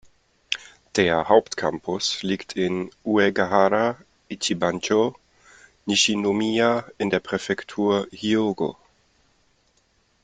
Der Hauptcampus liegt in Uegahara-Ichibanchō, Nishinomiya in der Präfektur Hyōgo.